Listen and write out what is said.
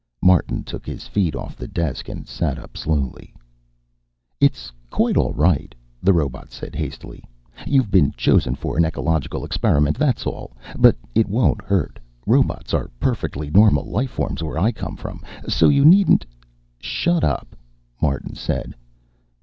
Martin took his feet off the desk and sat up slowly. "It's quite all right," the robot said hastily. "You've been chosen for an ecological experiment, that's all. But it won't hurt. Robots are perfectly normal life forms where I come from, so you needn't " "Shut up," Martin said.